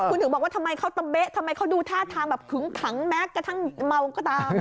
คุณถึงบอกว่าทำไมเขาตะเบ๊ะทำไมเขาดูท่าทางแบบขึงขังแม้กระทั่งเมาก็ตาม